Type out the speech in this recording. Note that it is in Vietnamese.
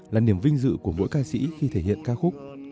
là niềm vinh dự của mỗi ca sĩ khi thể hiện ca khúc